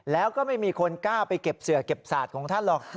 แล้วก็ไม่มีคนกล้าไปเก็บเสือเก็บศาสตร์ของท่านหรอก